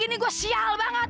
gini gini gue sial banget